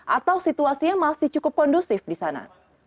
atau situasinya masih cukup kondusif di sana